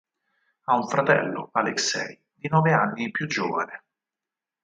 Ha un fratello, Alexei, di nove anni più giovane.